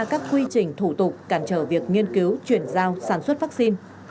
các quy trình thủ tục cản trở việc nghiên cứu chuyển giao sản xuất vaccine